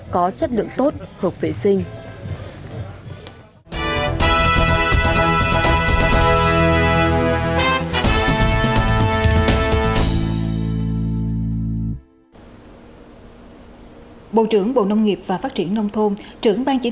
có chất lượng tốt hợp vệ sản xuất trong nước